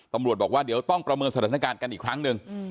ตำรวจบอกว่าเดี๋ยวต้องประเมินสถานการณ์กันอีกครั้งหนึ่ง